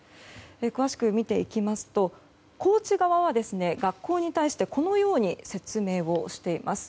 詳しく見ていきますとコーチ側は学校に対してこのように説明しています。